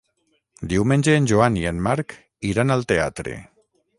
Diumenge en Joan i en Marc iran al teatre.